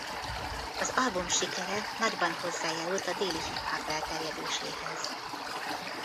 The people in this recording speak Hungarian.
Az album sikere nagyban hozzájárult a déli hiphop elterjedéséhez.